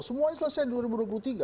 semuanya selesai dua ribu dua puluh tiga